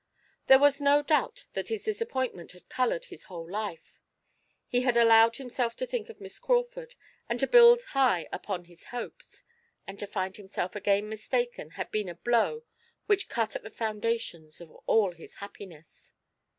There was no doubt that his disappointment had coloured his whole life. He had allowed himself to think of Miss Crawford, and to build high upon his hopes, and to find himself again mistaken had been a blow which cut at the foundations of all his happiness.